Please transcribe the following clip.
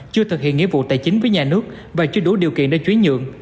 chưa thực hiện nghĩa vụ tài chính với nhà nước và chưa đủ điều kiện để chuyển nhượng